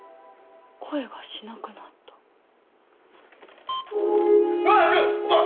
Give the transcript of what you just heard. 声がしなくなった。あっ！